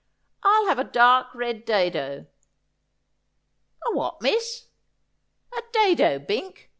I'll have a dark red dado.' ' A what, miss ?'' A dado, Bink.